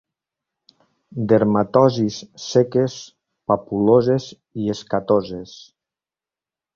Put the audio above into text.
Dermatosis seques papuloses i escatoses.